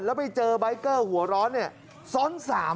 แล้วไปเจอบิเคล์หัวร้อนซ้อนซาม